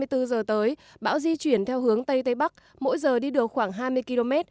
dự báo trong một mươi hai giờ tới bão di chuyển theo hướng tây tây bắc mỗi giờ đi được khoảng hai mươi km